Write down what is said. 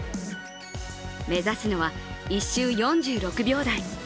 目指すのは１周４６秒台。